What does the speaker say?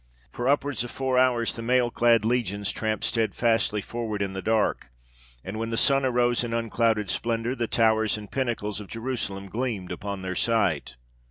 For upwards of four hours the mail clad legions tramped stedfastly forward in the dark, and when the sun arose in unclouded splendour, the towers and pinnacles of Jerusalem gleamed upon their sight.